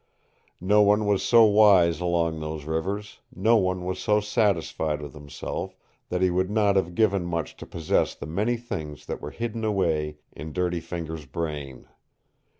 No one was so wise along those rivers, no one was so satisfied with himself, that he would not have given much to possess the many things that were hidden away in Dirty Fingers' brain.